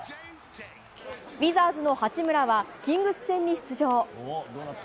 ウィザーズの八村はキングス戦に出場。